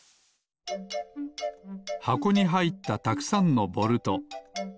はこにはいったたくさんのボルト。